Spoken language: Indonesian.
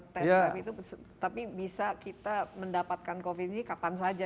tetapi bisa kita mendapatkan covid sembilan belas ini kapan saja